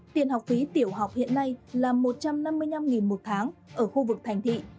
tiền học phí tiểu học hiện nay là một trăm năm mươi năm đồng một tháng ở khu vực thành thị